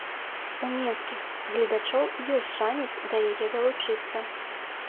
У менскіх гледачоў ёсць шанец да яе далучыцца.